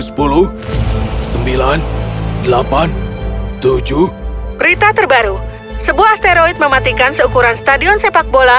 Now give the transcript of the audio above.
sebuah asteroid mematikan seukuran stadion sepak bola